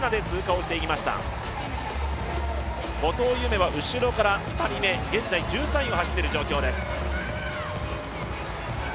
後藤夢は後ろから２人目、現在１３位を走っている状況です。